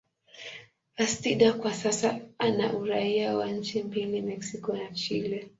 Bastida kwa sasa ana uraia wa nchi mbili, Mexico na Chile.